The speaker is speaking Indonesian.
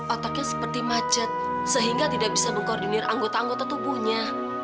otaknya seperti macet sehingga tidak bisa mengkoordinir anggota anggota tubuhnya